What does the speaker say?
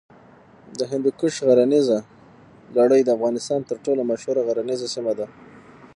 د هندوکش غرنیزه لړۍ د افغانستان تر ټولو مشهوره غرنیزه سیمه ده.